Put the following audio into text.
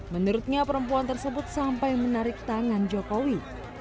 menurutnya perempuan tersebut sampai menarik tangan jokowi